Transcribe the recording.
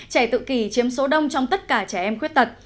trẻ tự kỷ chiếm số đông trong tất cả trẻ em khuyết tật